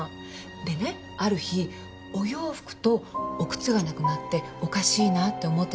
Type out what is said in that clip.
でねある日お洋服とお靴がなくなっておかしいなって思ってたんですって。